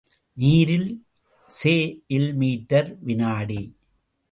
நீரில் செ.இல் மீட்டர் வினாடி